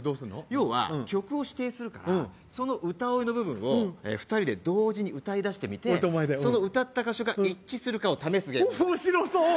要は曲を指定するからその歌おいの部分を２人で同時に歌いだしてみて俺とお前でその歌った箇所が一致するかを試すゲーム面白そう！